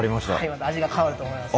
また味が変わると思います。